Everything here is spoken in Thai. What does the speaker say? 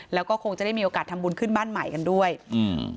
แล้วก็คงจะได้มีโอกาสทำบุญขึ้นบ้านใหม่กันด้วยอืม